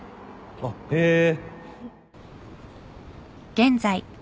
あっへぇ